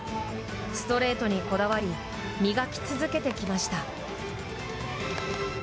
ストレートにこだわり磨き続けてきました。